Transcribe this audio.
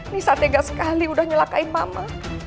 nisa tegas sekali udah nyelakai mama